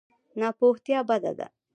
ناپوهتیا بده ده.